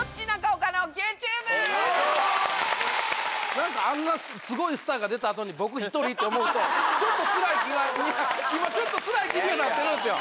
なんかあんなスゴいスターが出た後に僕１人って思うとちょっとつらい気が今ちょっとつらい気にはなってるんですよ。